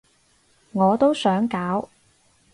我都想搞